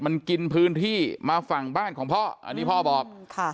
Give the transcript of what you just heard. มันกินพื้นที่มาฝั่งบ้านของพ่ออันนี้พ่อบอกค่ะ